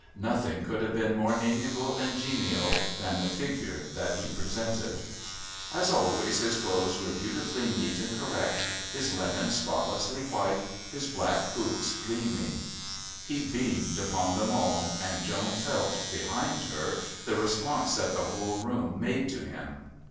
Nothing could have been more amiable and genial than the figure that he presented. As always, his clothes were beautifully neat and correct, his linen spotless white, his black boots gleaming. He beamed upon them all, and Joan felt, behind her, the response that the whole room made to him.